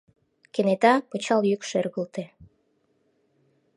Кенета пычал йӱк шергылте.